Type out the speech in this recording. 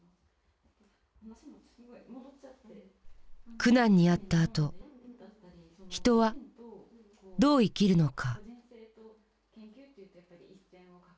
苦難に遭ったあと人はどう生きるのか。